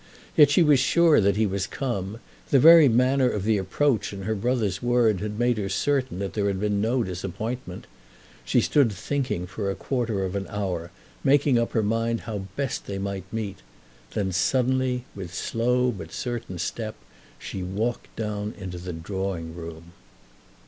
Yet she was sure that he was come. The very manner of the approach and her brother's word made her certain that there had been no disappointment. She stood thinking for a quarter of an hour, making up her mind how best they might meet. Then suddenly, with slow but certain step, she walked down into the drawing room.